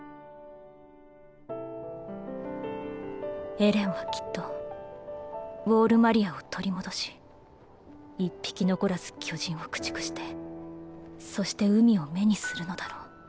エレンはきっとウォール・マリアを取り戻し一匹残らず巨人を駆逐してそして海を目にするのだろう。